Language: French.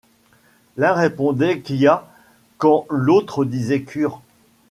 L'un répondait Quia quand l'autre disait Cur ;